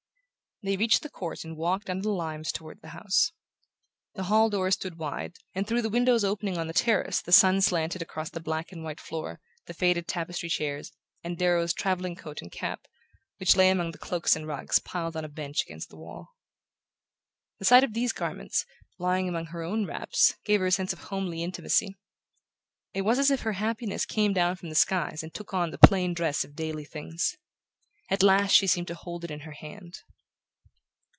They reached the court and walked under the limes toward the house. The hall door stood wide, and through the windows opening on the terrace the sun slanted across the black and white floor, the faded tapestry chairs, and Darrow's travelling coat and cap, which lay among the cloaks and rugs piled on a bench against the wall. The sight of these garments, lying among her own wraps, gave her a sense of homely intimacy. It was as if her happiness came down from the skies and took on the plain dress of daily things. At last she seemed to hold it in her hand.